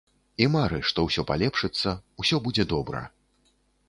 І мары, што ўсё палепшыцца, усё будзе добра.